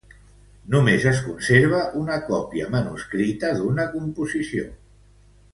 Només es conserva una còpia manuscrita d'una composició.